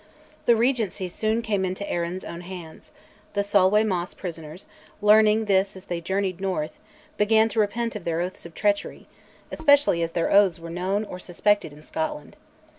The Regency soon came into Arran's own hands: the Solway Moss prisoners, learning this as they journeyed north, began to repent of their oaths of treachery, especially as their oaths were known or suspected in Scotland.